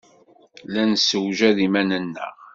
La nessewjad iman-nneɣ.